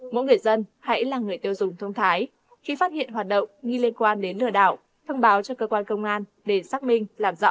mỗi người dân hãy là người tiêu dùng thông thái khi phát hiện hoạt động nghi liên quan đến lừa đảo thông báo cho cơ quan công an để xác minh làm rõ góp phần đảm bảo an ninh trật tự trên địa bàn